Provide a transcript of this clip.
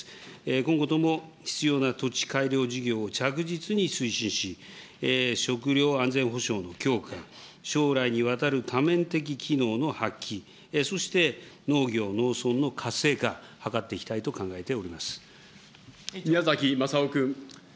今後とも必要な土地改良事業を着実に推進し、食料安全保障の強化、将来にわたる多面的機能の発揮、そして農業・農村の活性化、図っ宮崎雅夫君。